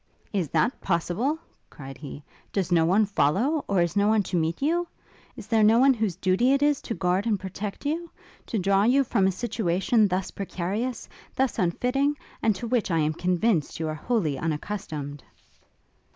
'Is that possible?' cried he, 'Does no one follow or is no one to meet you? Is there no one whose duty it is to guard and protect you? to draw you from a situation thus precarious, thus unfitting, and to which I am convinced you are wholly unaccustomed?'